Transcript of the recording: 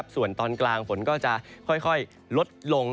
ส่วนตอนกลางฝนก็จะค่อยลดลง